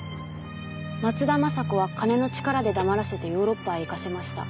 「松田雅子は金の力で黙らせてヨーロッパへ行かせました」